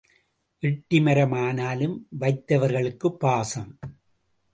எட்டி மரம் ஆனாலும் வைத்தவர்க்குப் பாசம்.